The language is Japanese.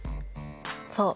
そう。